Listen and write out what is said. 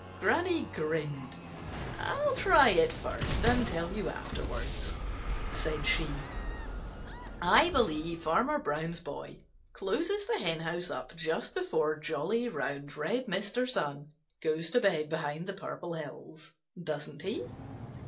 Granny grinned. "I'll try it first and tell you afterwards," said she. "I believe Farmer Brown's boy closes the henhouse up just before jolly, round, red Mr. Sun goes to bed behind the Purple Hills, doesn't he?"